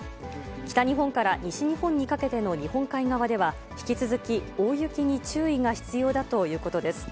北日本から西日本にかけての日本海側では、引き続き大雪に注意が必要だということです。